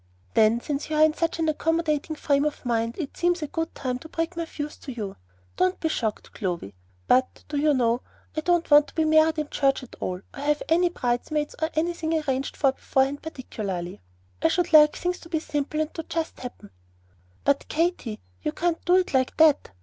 "Then, since you are in such an accommodating frame of mind, it seems a good time to break my views to you. Don't be shocked, Clovy; but, do you know, I don't want to be married in church at all, or to have any bridesmaids, or anything arranged for beforehand particularly. I should like things to be simple, and to just happen." "But, Katy, you can't do it like that.